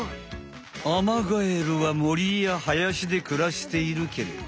アマガエルはもりやはやしでくらしているけれど。